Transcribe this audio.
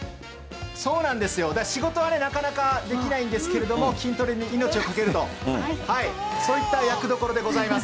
そうなんですよ、仕事はなかなかできないんですけれども、筋トレに命をかけると。そういった役どころでございます。